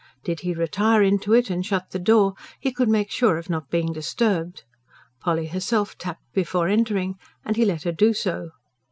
Did he retire into it and shut the door, he could make sure of not being disturbed. Polly herself tapped before entering; and he let her do so.